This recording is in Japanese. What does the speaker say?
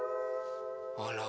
あら。